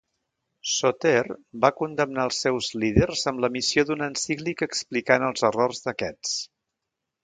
Soter va condemnar els seus líders amb l'emissió d'una encíclica explicant els errors d'aquests.